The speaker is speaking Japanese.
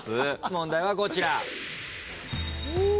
問題はこちら。